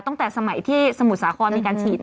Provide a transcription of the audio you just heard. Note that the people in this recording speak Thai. ตั้งแต่สมัยที่สมุทรสาครมีการฉีด